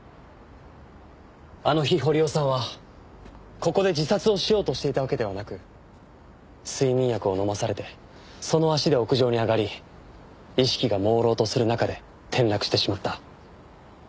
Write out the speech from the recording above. あの日堀尾さんはここで自殺をしようとしていたわけではなく睡眠薬を飲まされてその足で屋上に上がり意識がもうろうとする中で転落してしまった。